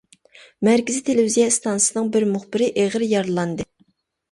مەركىزىي تېلېۋىزىيە ئىستانسىسىنىڭ بىر مۇخبىرى ئېغىر يارىلاندى.